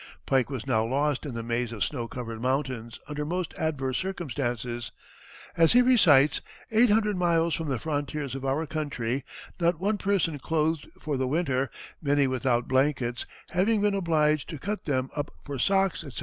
Pike was now lost in the maze of snow covered mountains under most adverse circumstances, as he recites: "Eight hundred miles from the frontiers of our country; not one person clothed for the winter, many without blankets, having been obliged to cut them up for socks, etc.